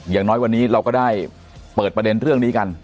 อย่างน้อยวันนี้เราก็ได้เปิดประเด็นเรื่องนี้กัน